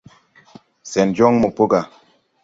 Sɛn jɔŋ mo po gà.